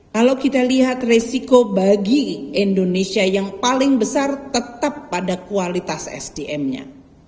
kalau kita lihat resiko bagi indonesia yang paling besar tetap pada kualitas sdm nya